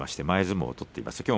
前相撲を取っています。